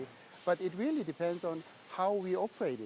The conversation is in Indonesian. tapi itu tergantung dengan cara kami mengoperasikannya